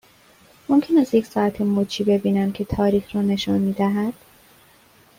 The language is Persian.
ممکن است یک ساعت مچی ببینم که تاریخ را نشان می دهد؟